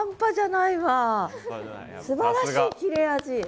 すばらしい切れ味！